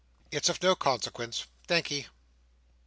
It's of no consequence, thank'ee!"